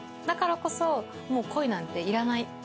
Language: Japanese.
だからこそ恋なんていらない。